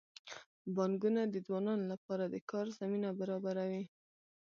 بانکونه د ځوانانو لپاره د کار زمینه برابروي.